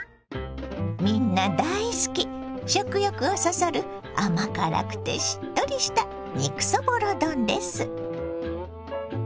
みんな大好き食欲をそそる甘辛くてしっとりした肉そぼろ丼です。